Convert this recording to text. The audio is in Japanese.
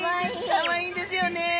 かわいいんですよね。